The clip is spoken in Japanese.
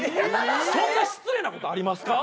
そんな失礼なことありますか？